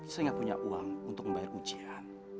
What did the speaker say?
saya gak punya uang untuk membayar ujian